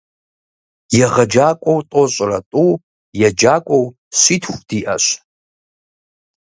ЕгъэджакӀуэу тӀощӀрэ тӀу, еджакӏуэу щитху диӀэщ.